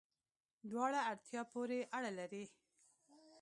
دواړه، اړتیا پوری اړه لری